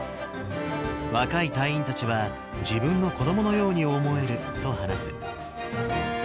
若い隊員たちは、自分の子どものように思えると話す。